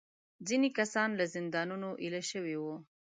ځینې کسان له زندانونو ایله شوي وو.